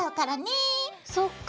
そっか。